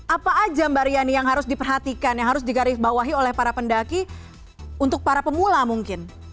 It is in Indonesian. apa aja mbak riani yang harus diperhatikan yang harus digarisbawahi oleh para pendaki untuk para pemula mungkin